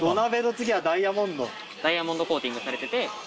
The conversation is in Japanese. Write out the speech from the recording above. ダイヤモンドコーティングされてて。